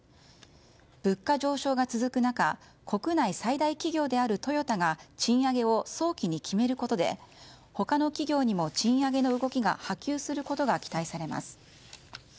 物価上昇が続く中国内最大企業であるトヨタが賃上げを早期に決めることで他の企業にも賃上げの動きが波及することが期待されます。